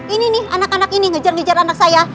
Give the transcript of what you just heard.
ini nih anak anak ini ngejar ngejar anak saya